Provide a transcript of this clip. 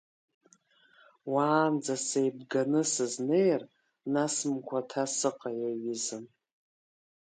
Уаанӡа сеибганы сызнеир, нас мгәаҭа сыҟа иаҩызан.